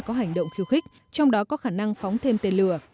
có hành động khiêu khích trong đó có khả năng phóng thêm tên lửa